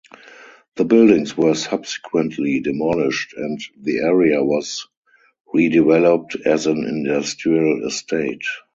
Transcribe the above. The buildings were subsequently demolished and the area was redeveloped as an industrial estate.